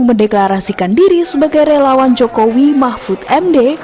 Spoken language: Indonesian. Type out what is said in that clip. mendeklarasikan diri sebagai relawan jokowi mahfud md